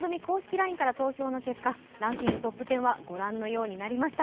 ＬＩＮＥから投票の結果、ランキングトップ１０はご覧のようになりました